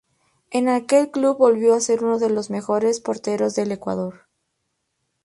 En aquel club volvió a ser uno de los mejores porteros del Ecuador.